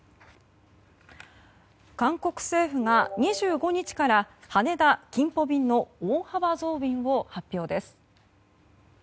韓国政府が２５日から羽田キンポ便の大幅増便を発表です。